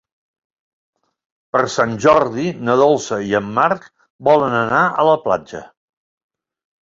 Per Sant Jordi na Dolça i en Marc volen anar a la platja.